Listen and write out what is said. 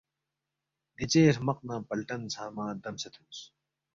دیژے ہرمق نہ پلٹن ژھنگمہ دمسے تھونس